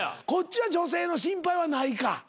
こっちは女性の心配はないか。